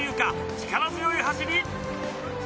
力強い走り。